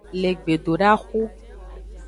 Le gbedodaxu.